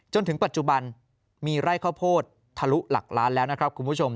จนถึงปัจจุบันมีไร่ข้าวโพดทะลุหลักล้านแล้วนะครับคุณผู้ชม